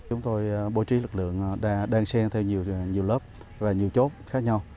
chúng tôi bố trí lực lượng đang xem theo nhiều lớp và nhiều chốt khác nhau